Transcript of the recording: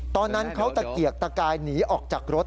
ตอนนั้นเขาตะเกียกตะกายหนีออกจากรถ